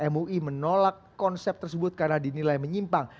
mui menolak konsep tersebut karena dinilai menyimpang